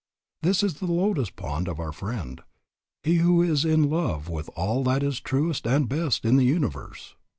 This is the lotus pond of our friend, he who is in love with all that is truest and best in the universe.